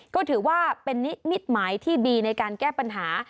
ก็ถือว่าเป็นนิมิตหมายที่ดีในการแก้ปัญหา